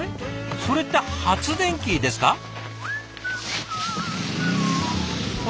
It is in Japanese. それって発電機ですか？